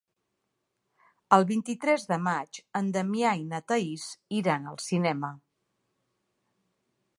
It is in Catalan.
El vint-i-tres de maig en Damià i na Thaís iran al cinema.